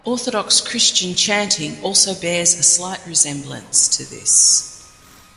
Orthodox Christian chanting also bears a slight resemblance to this.